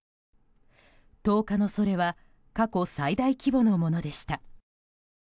１０日のそれは過去最大規模のものでした。